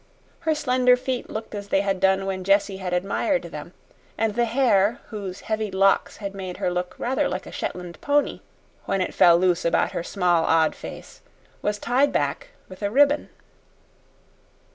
Her slender feet looked as they had done when Jessie had admired them, and the hair, whose heavy locks had made her look rather like a Shetland pony when it fell loose about her small, odd face, was tied back with a ribbon.